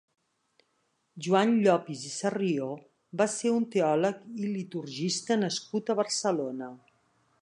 Joan Llopis i Sarrió va ser un teòleg i liturgista nascut a Barcelona.